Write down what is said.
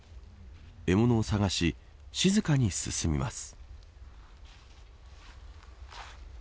獲物を探し静かに進みます。